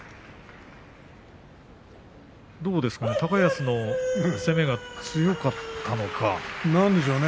どうですかね、高安の攻めが強かったんですかね。